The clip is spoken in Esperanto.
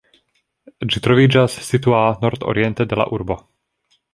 Ĝi troviĝas situa nordoriente de la urbo.